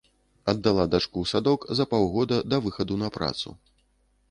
Аддала дачку ў садок за паўгода да выхаду на працу.